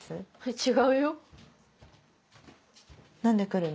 違うよ。何で来るの？